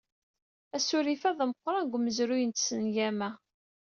Asurif-a d ameqqran deg umezruy n tsengama.